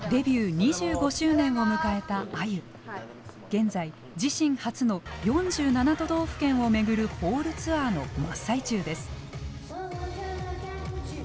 現在自身初の４７都道府県を巡るホールツアーの真っ最中です。